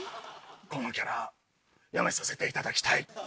このキャラやめさせていただきたい。